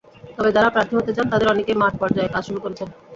তবে যাঁরা প্রার্থী হতে চান, তাঁদের অনেকেই মাঠপর্যায়ে কাজ শুরু করেছেন।